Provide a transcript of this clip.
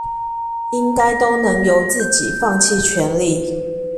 應該都能由自己放棄權力